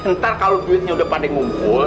ntar kalau duitnya udah pada ngumpul